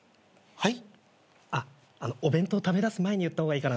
はい。